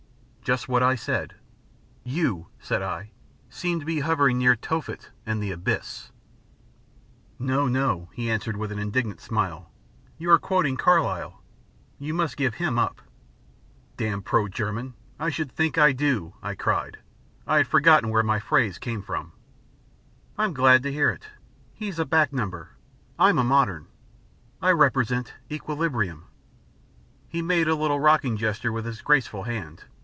Just what I said. "You," said I, "seem to be hovering near Tophet and the Abyss." "No, no," he answered with an indulgent smile. "You are quoting Carlyle. You must give him up." "Damned pro German, I should think I do," I cried. I had forgotten where my phrase came from. "I'm glad to hear it. He's a back number. I'm a modern. I represent equilibrium " He made a little rocking gesture with his graceful hand.